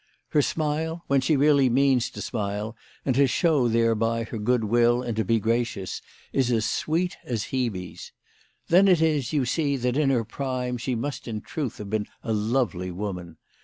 Her smile, when she really means to smile and to show thereby her good will and to be gracious, is as sweet as Hebe's. Then it is that you see that in her prime she must in truth have been a lovely woman.